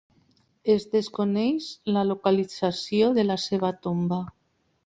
Es desconeix la localització de la seva tomba.